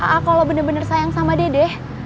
a kalau bener bener sayang sama dede